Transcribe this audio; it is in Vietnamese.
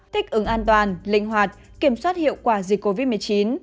thích ứng an toàn linh hoạt kiểm soát hiệu quả dịch covid một mươi chín